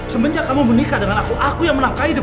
semenjak kamu menikah dengan aku aku yang melangkah hidup